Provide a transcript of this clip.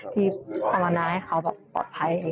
ที่ขอวนะให้เขาปลอดภัย